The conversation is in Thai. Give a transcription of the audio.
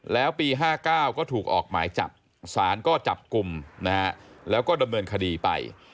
แล้วปี๕๙ก็ถูกออกหมายจับสารก็จับกลุ่มนะฮะแล้วก็ดำเนินคดีไป